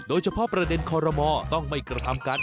โดยเฉพาะประเด็นคอรมอต้องไม่กระทำการ